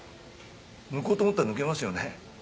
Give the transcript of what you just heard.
抜こうと思ったら抜けますよね？